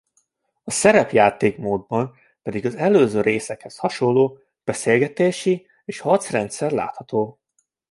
A szerepjáték-módban pedig az előző részekhez hasonló beszélgetési- és harcrendszer látható.